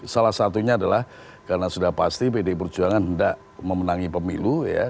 salah satunya adalah karena sudah pasti pdi perjuangan hendak memenangi pemilu ya